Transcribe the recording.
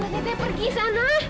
udah teh pergi sana